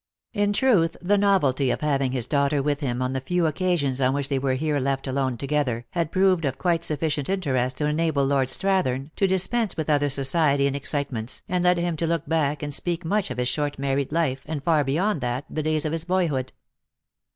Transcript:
In truth, the novelty of having his daughter with him on the few occasions on which they were here left alone together, had proved of quite sufficient interest to enable Lord Strathern to dispense with other society and excite ments, and led him to look back and to speak much of his short married life, and far beyond that, the days of his boyhood.